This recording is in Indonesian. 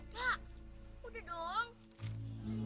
kak udah dong